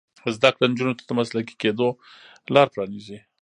زده کړه نجونو ته د مسلکي کیدو لار پرانیزي.